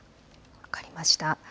分かりました。